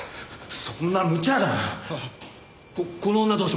そんな無茶な！